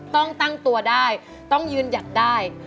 ต้องตั้งตัวได้ต้องยืนหยัดได้